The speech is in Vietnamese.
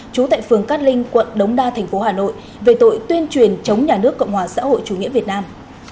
chú tại phường cát linh quận đống đa thành phố hà nội về tội tuyên truyền chống nhà nước cộng hòa xã hội chủ nghĩa việt nam